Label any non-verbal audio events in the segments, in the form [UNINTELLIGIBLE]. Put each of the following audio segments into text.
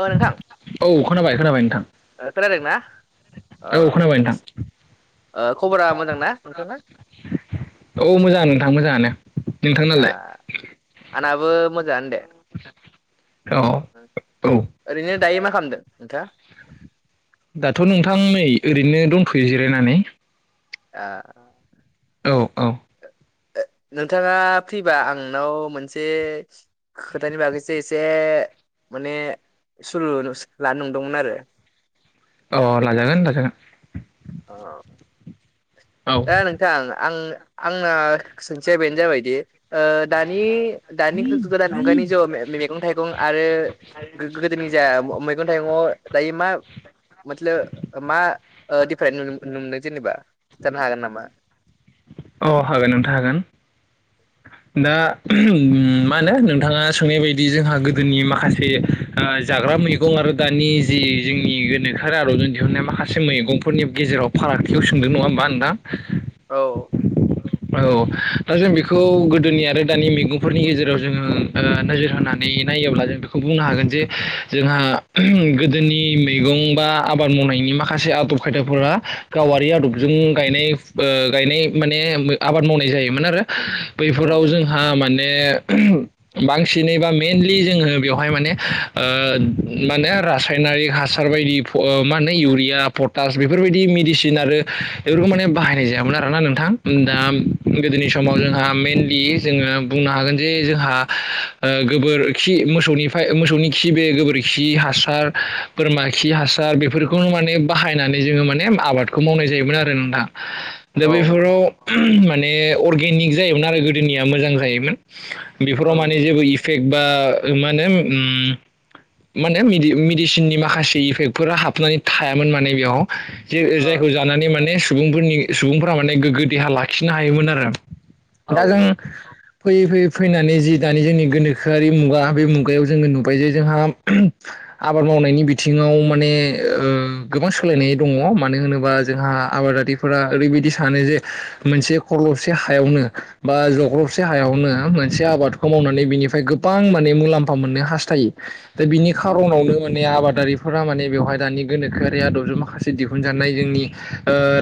ओ नोंथां औ खोनाबाय खोनाबाय नोंथां ओ खोनादों ना? अ औ खोनाबाय नोंथां ओ खबरा मोजांना नोंथांना? औ मोजां नोंथां मोजाङानो नोंथांनालाय? आङाबो मोजांङानो दे। औ औ ओरैनो दायो मा खालामदो नोंथाङा? [INAUDIBLE] दाथ' नोंथां नै ओरैनो दंथ'यो जिरायनानै । आ। औ - औ, नोंथांङा फ्रिबा आं नोंनाव मोनसे से खोथानि बागैसो एसे, माने सोंलु लानो नंदोंमोन आरो, ! अ लाजागोन लाजागोन,, ! औ, औ नोंथां आं आंना सोंथिया बेनो जाबायदि दानि गोदान मुगानि जिउआव मैगं थाइगं आरो आरो गोदोनि [UNINTELLIGIBLE] मैगं थाइगं दायो मा मतलब मा दिफ्राय नुनोमोनो जेनेबा? जानो हागोन नामा? अ हागोन नोंथां हागोन, ! दा मा होनो नोंथांङा सोंनाय बायदि जोंहा गोदोनि माखासे जाग्रा मैगं आरो दानि जि जोंनि गोनोखोआ आर'जन दिहुननाय माखासे मैगंफोरनि गेजेराव फा [UNINTELLIGIBLE] सोंदों नंङा होमबा नोंथां औ, औ दा जों बेखौ गोदोनि आरो दानि मैगंफोरनि गेजेराव जोङो नोजोर होनानै नायोबा जों बेखौ बुंनो हागोन जे जोंहा गोदोनि मैगं बा आबाद मावनायनि माखासे सासे आदब खायदाफोरा गावारि आदबजों गायनाय गायनाय माने आबाद मावनाय जायोमोन आरो औ बैफोराव जोंहा माने माने बांसिनै बा मेनलि जोंङो बेवहाय माने ओ रासायनारिक हासार बायदि मा होनो इउरिया पटास बेफोरबायदि मेडिसिन आरो खौ माने बाहायनाय जायामोन आरोना नोंथां। द गोदोनि समाव जोंहा मेनलि जोङो बुंनो हागोन जे जोंहा गोब खि मोसौनि मोसौनि खि बे गोबोरखि हासार बोरमा खि हासार बेफोर बेखौनो माने बाहायनानै जोंङो माने आबादखौ मावनाय जायोमोन आरो नोंथां दा औ बेफोराव माने अरगिनिक जायोमोन आरो गोदोनिया मोजां जायोमोन बेफोराव औ माने जेबो इफेक्ट बा मा होनो माने मेडिसिननि माखासे इफेक्टफोरा हाबनानै थायामोन माने बेयाव जे जायखौ अ जानानै माने सुबुंफोरनि सुबुंफोरा माने गोगो देहा लाखिनो हायोमोन आरो औ दा जों फैयै - फैयै फैनानै जि दानि जोंनि गोनोखोआरि मुगा बे मुगायाव जोंङो नुबाय जे जोंहा आबाद मावनायनि बिथिंङाव माने गोबां सोलायनाय दंङो मानो होनोबा जोंहा आबादारिफोरा ओरैबायदि सानो जे मोनसे खरल'से हायावनो बा जग्रब थरसे हायावनो मोनसे आबादखौ मावनानै बिनिफ्राय गोबां माने मुलाम्फा मोननो हास्थायो दा बिनि उम खार'नावनो माने आबादारि रा माने बेवहाय दानि गोनोखोआरि आदबजों माखासे दिहुनजानाय जोंनि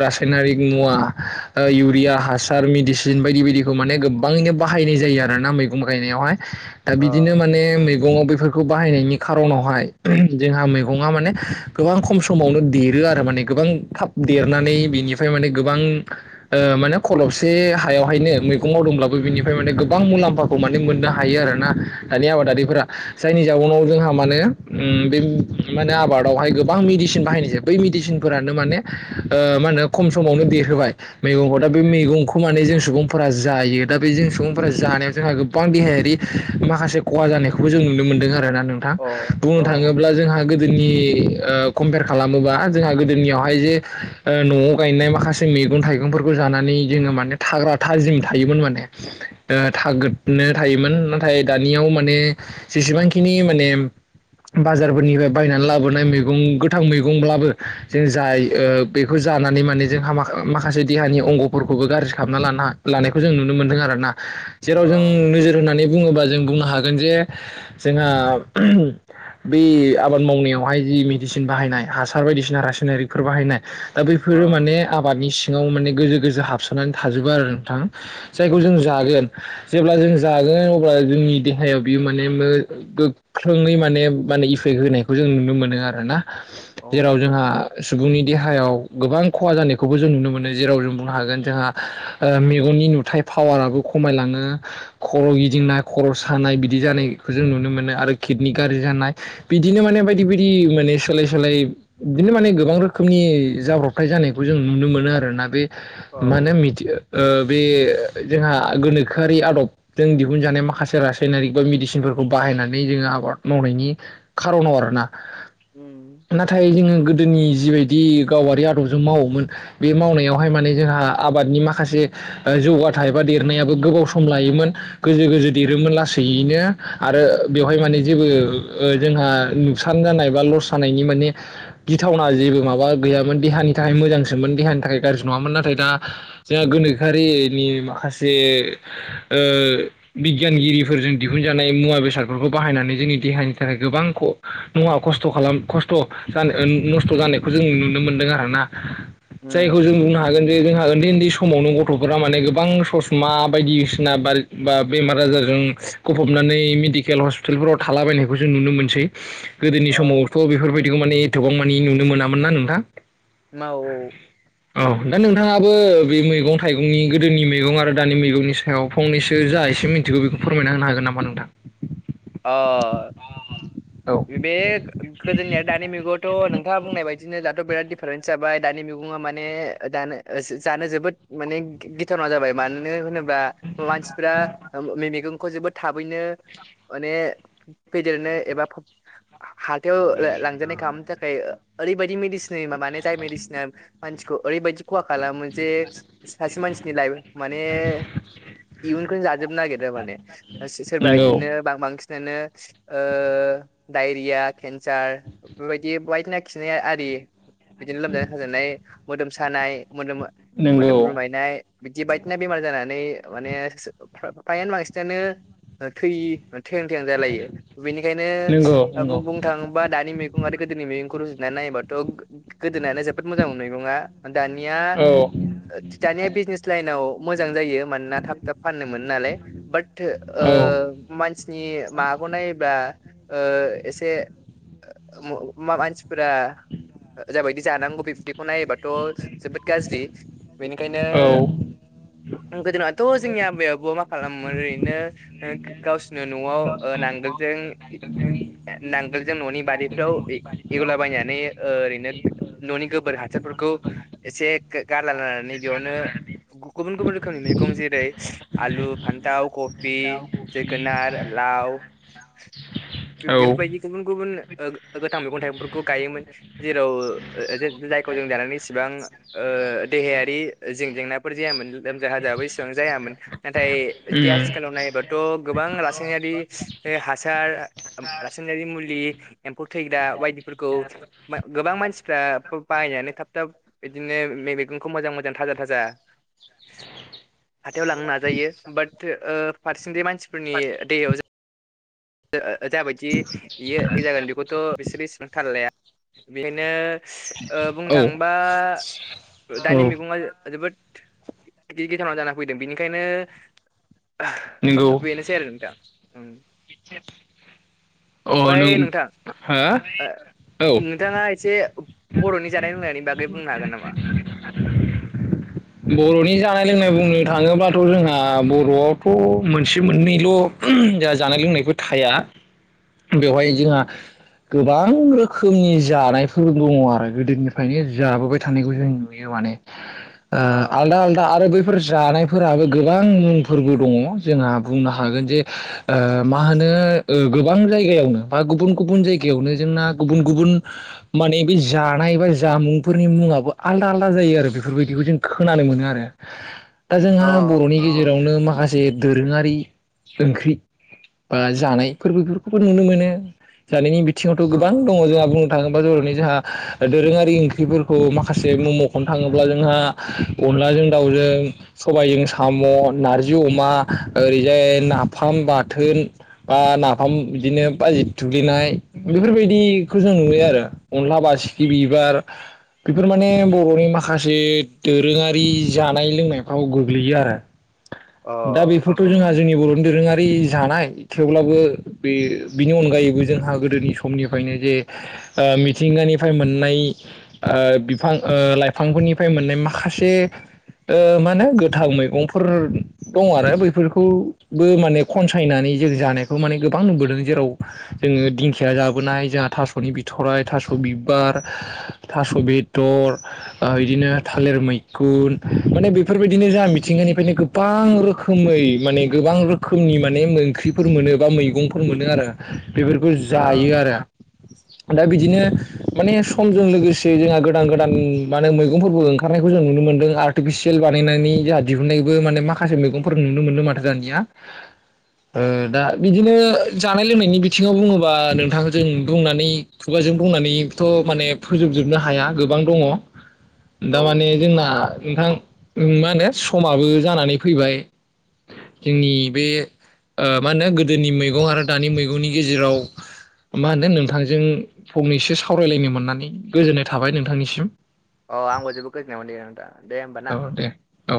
रासायनारिक मुवा इउरिया हासार मेडिसिन बायदि बायदिखौ माने गोबांङैनो बाहायनाय जायो आरोना मैगं गायनायावहाय दा अ बिदिनो माने मैगंवा बेफोर बायनायनि खारनावहाय जोंहा मै माने गोबां खम समावनो देरो आरो माने गोबां थाब देरनानै गोबां माने खलसेसे हायावनो मेगं मावदों ब्लाबो गोबां मुलामफाखौ मोननो हायो आरोना दानि आबादफोरा जायनि जाउनाव जोंहा माने बे माने आबादावहाय गोबां मेडिसिन बाहायनाय जायो बै मेडिसिनखौ माने माहोन खम समावनो देरहोबाय मैगंखौ दा बे मैगंखौ मान जों सुबुंफोरा जायो दा बे जों सुबुंफोरा जानायाव जोंहा गोबां देहायारि माखासे खहा जानायखौबो जों नुनो मोनदों आरोना नोंथां अ बुंनो अ थाङोब्ला जोंहा गोदोनि कम्पेयार खालामोबा जोंहा गोदोनियावहाय जे न'आव गायनाय माखासे मैगं थाइगंफोरखौ ज जानानै जोङो माने थाग्रा थाजिम थायोमोन माने थायोमोन नाथाय दानियाव माने जेसेबांखिनि माने बाजारफोरनिफ्राय बायनानै लाबोनाय मैगं गोथां मैगंब्लाबो जों बेखौ ज जानानै माने जोंहा माखा-माखासे देहानि अंग'फोरखौबो गाज्रि खालामना लाना-लानायखौ जों नुनो मोनदों आरो ना। जेराव अ जों नोजोर होनानै बुङोबा जों बुंनो हागोन जे जोहा बे आबाद मावनायावहाय जि मेडिसिन बाहायनाय हासार बायदिसिना रासायनारिकफोर बाहायनाय दा अ बैफोरो माने आबादनि सि ङाव माने गोजौ गोजो हाबस'ननानै थाजोबो आरो नोंथां जायखौ जों जागोन जेब्ला जों जा गोन‌ अब्ला जोंनि देहायाव बियो माने गोख्रोङै माने माने इफेक्ट होनायखौ जों नुनो मोनो आरो ना? औ जेराव जोंहा सुबुंनि देहायाव गोबां खहा जानायखौबो जों नुनो मोनो, जेराव जों बुंनो हागोन जोंहा ओ मेगननि नुथाय पावाराबो खमायलाङो, खर' गिदिंनाय, खर' सानाय बिदि जानाय खौ जों नुनो मोनो आरो किडनि गाज्रि जानाय बिदिनो माने बायदि बायदि माने सोलाय सोलाय बि दिनो माने गोबां रोखोमनि जाब्रबथाय जानायखौ जों नुनो मोनो आरोना बे औ मा होनो मिथि ओ बे ओ जोंहा गोनोखोआरि आदबजों दिहुनजानाय माखासे रासायनारिक बा मेडिसिनफोरखौ बाहायनानै जोङो आबाद मावनायनि खार'नाव आरोना। उम नाथाय जोङो गोदोनि जिबायदि गावारि आदब जों मावोमोन बे मावनायावहाय माने जोंहा आबादनि माखासे ओ जौगाथाय बा देरनायाबो गो बाव सम लायोमोन गोजो गोजो देरोमोन लासैयैनो। आरो बेवहाय माने जेबो ओ जोंहा नुकसान जानाय बा लस जानायनि माने गिथावना जेबो माबा गैयामोन देहानि थाखाय मोजांसोमोन देहानि थाखाय गाज्रि नङामोन नाथाय दा जोंहा गोनोखोआरिनि माखासे ओ बिगियानगिरिफोरजों दिहुन जानाय मुवा बेसादफोरखौ बाहायनानै जोंनि देहानि थाखाय गोबां ख'-गोबां खस्थ' खालाम खस्थ' ओ नस्थ' जानायखौ जों नुनो मोनदों आरोना। उम जायखौ जों बुंनो हागोन जे जोंहा उन्दै उन्दै समावनो गथ'फोरा माने गोबां ससमा बायदिसिना बा बा बेमार आजारजों गफबनानै मेडिकेल हस्पिटालफोराव थालाबायनायखौ जों नुनो मोनसै। गोदोनि अ समावथ' बेफोरबायदिखौ माने एथबां मानि नुनो मोनामोन ना नोंथां? औ औ दा नोंथाङाबो बे मैगं-थाइगंनि गोदोनि मैगं आरो दानि मैगंनि सायाव फंनैसो जा एसे मिथिगौ बेखौ फोरमायना होनो हागोन नामा नोंथां? अ, औ बे गोदोनिया दानि मैग'ङावथ' नों थाङा बुंनाय बादिनो दाथ' बिराद डिफारेन्स जाबाय दानि मैग'ङा माने दानो ओ जा-जानो जोबोद माने गिथावना जाबाय मानो होनो बा मानसिफ्रा ओ मै-मैगंखौ जोबोद थाबैनो माने फेदेरनो एबा हाथायाव लां-लांजानाय खालामनो थाखाय ओरैबादि मेडि सिन होयो माने जाय बायदिसिना मानसिखौ ओरैबायदि खहा खालामो जे सासे मानसिनि लाइफ माने इयुनखौनो जाजोबनो नागिरो माने सो-सोरबा नंगौ इदिनो बां-बांसि नानो ओ डायरिया, केन्सार, बिफोरबायदि बायदिसिना खिनाय आरि बिदिनो लोमजानाय-साजानाय, मोदोम सानाय, मोदोम मोदोम नंगौ रुमायनाय बिदि बायदिसिना बेमार जानानै माने सो-फ्रा-फ्रायानो बांसिनानो ओ थै हां थैहां जालायो। बेनिखायनो नंगौ ओ नंगौ बु-बुंनो थाङोबा दानि मैगं आरो गोदोनि मैगंखौ रु जुना नायोबाथ' गोदोनानो जोबोद मोजांमोन मैगंआ दानिया औ ओ दानिया बिजनेस लाइनाव मोजां जायो मानोना थाब थाब फाननो मोनो नालाय, बाट ओ औ ओ मानसिनि माबाखौ नायोबा ओ एसे मा-मा-मानसिफोरा जाबायदि जानांगौ बिबदिखौ नायोबाथ' जोबोद गाज्रि। बेनिखायनो औ उम गोदोनाथ' जोंनि आबै आबौआ मा खालामोमोन ओरैनो ओ गावसिनियाव न'आव ओ नांगोल जों नांगोलजों न'नि बारिफ्राव एवला बायनानै ओरैनो न'नि गोबोर हासारफोरखौ एसे गारलानानै बेयावनो गुबुन गुबुन रोखोमनि मैगं जेरै आलु फान्थाव कबि जोगोनार लाव औ बेफोरबायदि गुबुन गुबुन ओ गोथां मैगं थाइगंफोरखौ गायोमोन जेराव जायखौ जों जानानै इसेबां ओ देहायारि जें जेंनाफोर जायामोन लोमजा हाजोाबो एसेबां जायामोन। नाथाय जदि आथिखालाव नायोबाथ' गोबां रासायनारि हासार रासायनारि मुलि एम्फौ थैग्रा बायदिफोरखौ गोबां मानसिफ्रा बाय जानो थाब थाब बिदिनो म मैगंखौ मोजां मोजां थाजा थाजा हाथायाव लांनो नाजायो बाट ओ फारसेसि मानसिफोरनि दैयाव ज जाबायदि बेयो जागोन बेखौथ' बिसोर एसेबांथार लाया बेखायनो ओ बुंनो थाङबा औ दानि मैगङा जोबोद गि गिथानाव जाना फैदों बेनिखायनो बेनोसै आरो नोंथां। बिसे ओमफ्राय नोंथां औ नोंथाङा एसे बर'नि जानाय लोंनायनि बागै बुंनो हागोन नामा? बर'नि जानाय जानाय लोंनाय बुंनो थाङोब्लाथ' जोंहा बर'आवथ' मोनसे मोननैल' जा जानाय लोंनाय थाया बेवहाय जोंहा गोबां रोखोमनि जानायफोर दङ आरो गोदोनिफ्रायनो जाबोबाय थानायखौ जों नुयो। माने ओ अ आलदा आलदा आरो बैफोर जानायफोराबो गोबां मुंफोरबो दङ जोंहा बुंनो हागोन जे ओ मा होनो ओ ओ गो बां जायगायावनो बा गुबन गुबन जायगावनो जोंना गुबुन गुबुन माने जानाय बा जा जामुंफोरनि मुङो आलदा आलदा जायो आरो बेफोरबायदिखौ जों खोनानो मोनो आरो। दा अ जोंहा बर'नि गेजेरावनो माखासे जे दोरोङारि ओंख्रि बा जानायफोरबोफोर बो नुनो मोनो जानायनि बिथिङावथ' गोबां दङ अ जोंहा बुंनो थाङोब नि जों दोरोङारि ओंख्रिफोरखौ माखासे मम'खनो थाङोब्ला जोंहा अनला जों दाउजों सबायजों साम' नारजि अमा ओरैजाय नाफाम बाथोन होर बा ना फाम बिदिनो बाजि थुग्लिनाय बेफोरबायदिखौ जों नुयो आरो अनला बासिखि बिबार। आर बेफोर माने बर'नि माखासे दोरोङारि जानाय लोंनायफ्राव गोग्लैयो आरो। दा अ बेफोरखौ' जोंहा जोंनि बर'नि दोरोङारि जानाय थेवब्लाबो बे बिनि अनगायैबो जोंहा गोदोनि समनिफ्रायनो जे ओ मिथिंगानिफ्राय मोननाय ओ बिफां ओ लाइफांफोरनिफ्राय मोननाय माखासे ओ मा होनो गोथां मैगंफोर दं आरो बैफोरखौबो माने खनसायनानै जों जानायखौ माने गोब गोबां नुबोदों जेराव जोङो दिंखिया जाबोनाय जोंहा थास'नि बिथरराय थास' बिबार थास' बेदर ओ बिदिनो थालिर मैखुन माने बेफोरबायदिनो जा मिथिंगानिफ्रायनो गोबां रोखै माने गोबां रोखोमनि माने ओंख्रिफोर मोनो बा मै मैगंफोर मोनो आरो बेफोरखौ जायो आरो दा बिदिनो माने समजों लोगोसे जोंहा गोदान गोदान माने मैगंफोरबो ओंखारनायखौ जों नुनो मोनदों आर्टिफिसि सेल बानायनानै जोंहा दिहुननायबो माने माखासे मैगंफोर नुनो मोनो माथो जानिया दा बिदिनो जानाय लोंनायनि बिथिङाव बुङोबा नोंथां जों बुंनानै खुगाजों बुंनानैथ' माने फोजोबजोबनो हाया गोबां दङ औ थारमाने जोंना। नोंथां मा होनो समाबो जानानै फैबाय। जोंनि बे मा होनो गोदोनि मैगं आरो दानि मैगंनि गेजेराव मा होनो नोंथांजों फंनैसो सावरायलायनो मोननानै गोजोननाय थाबाय नोंथांनिसिम। अ आंबो जोबोद गोजोननाय मोनदों नोंथां दे होमबा औ ना। दे औ।